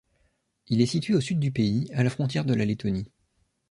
Il est situé au sud du pays, à la frontière de la Lettonie.